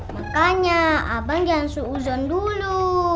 makanya abang jangan suuzon dulu